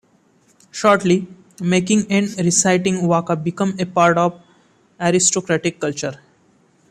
Shortly, making and reciting waka became a part of aristocratic culture.